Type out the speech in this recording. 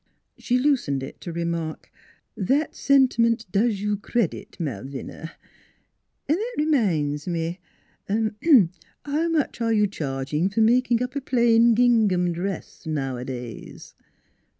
She loosened it to re mark: ' That sentiment does you credit, Malvina. ... An' that r'minds me : how much are you charging for making up a plain gingham dress nowadays?